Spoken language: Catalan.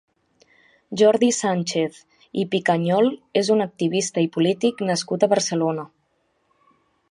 Jordi Sànchez i Picanyol és un activista i polític nascut a Barcelona.